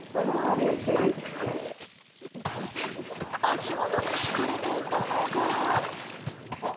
足元に敷かれていたのが。